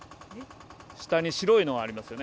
下に白いのがありますよね。